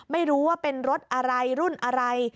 ไม่รู้ว่าเป็นรถอะไรรุ่นอะไร